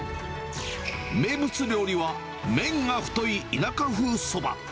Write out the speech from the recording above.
名物料理は、麺が太い田舎風そば。